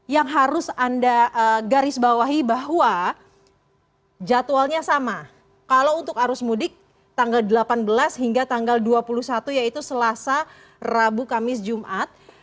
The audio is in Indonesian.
yang harus anda garis bawahi bahwa jadwalnya sama kalau untuk arus mudik tanggal delapan belas hingga tanggal dua puluh satu yaitu selasa rabu kamis jumat